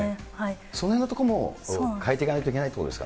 そのへんのところも変えていかないといけないということです